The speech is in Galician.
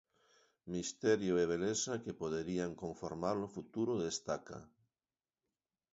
Misterio e beleza que poderían conformar o futuro de Estaca.